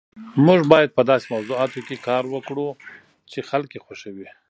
موږ باید په داسې موضوعاتو کار وکړو چې خلک یې خوښوي